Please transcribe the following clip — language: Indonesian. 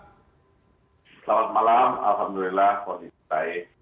selamat malam alhamdulillah kondisi baik